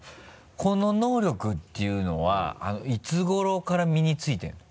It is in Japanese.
この能力っていうのはいつ頃から身についてるの？